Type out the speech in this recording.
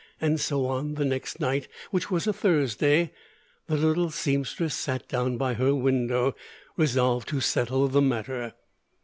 And so on the next night, which was a Thursday, the little seamstress sat down by her window, resolved to settle the matter.